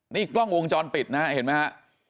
นี่กล้องวงจรปิดนะฮะเห็นไหมฮะ